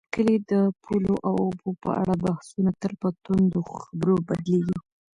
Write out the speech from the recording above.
د کلي د پولو او اوبو په اړه بحثونه تل په توندو خبرو بدلېدل.